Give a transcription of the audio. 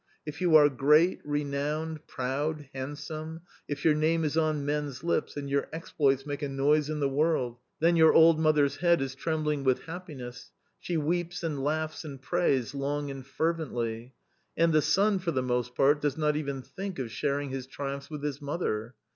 If you are great, renowned, proud, handsome, if your name is on men's lips, and your exploits make a noise in the world, then your old mother's head is trembling with happiness, she weeps and laughs and prays long and fervently. And the son, for the most part, does not even think of sharing his triumphs with his mother.